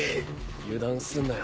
油断すんなよ。